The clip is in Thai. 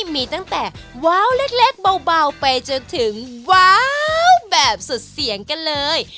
มีตั้งแต่ว้าวเล็กเบาไปจนถึงว้าวแบบสุดเสียงกันเลย